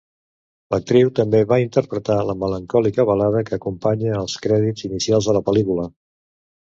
L'actriu també va interpretar la melancòlica balada que acompanya els crèdits inicials de la pel·lícula.